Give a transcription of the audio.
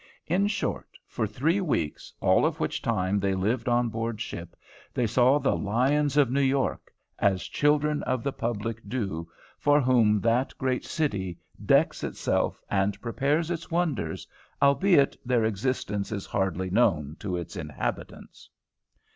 In short, for three weeks, all of which time they lived on board ship, they saw the lions of New York as children of the public do, for whom that great city decks itself and prepares its wonders, albeit their existence is hardly known to its inhabitants.